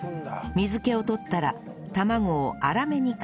水気を取ったら卵を粗めにカットし